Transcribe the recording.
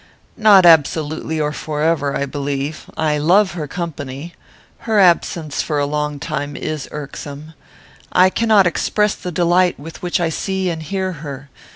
"Not absolutely or forever, I believe. I love her company. Her absence for a long time is irksome. I cannot express the delight with which I see and hear her.